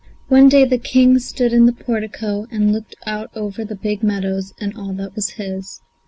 One day the King stood in the portico and looked out over the big meadows and all that was his.